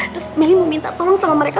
terus melly meminta tolong sama mereka